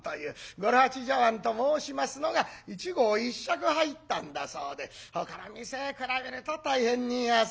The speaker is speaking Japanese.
五郎八茶碗と申しますのが一合一勺入ったんだそうでほかの店比べると大変に安い。